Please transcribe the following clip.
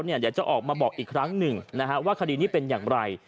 เดี๋ยวจะออกมาบอกอีกครั้งหนึ่งว่าคดีนี้เป็นอย่างไร